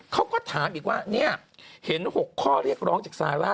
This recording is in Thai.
เขาก็ถามอีกว่าเห็น๖ข้อเรียกร้องจากสานาล่า